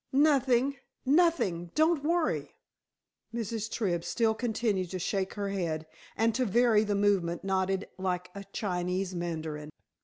"Nothing! Nothing! Don't worry." Mrs. Tribb still continued to shake her head, and, to vary the movement, nodded like a Chinese mandarin.